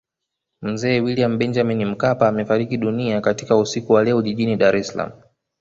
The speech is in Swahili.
Mzee William Benjamin Mkapa amefariki dunia katika usiku wa leo Jijini Dar es Salaam